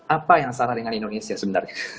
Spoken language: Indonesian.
apa yang salah dengan indonesia sebenarnya